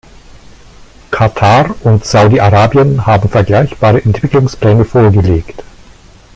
Katar und Saudi-Arabien haben vergleichbare Entwicklungspläne vorgelegt.